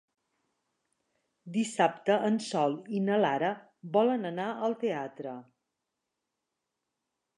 Dissabte en Sol i na Lara volen anar al teatre.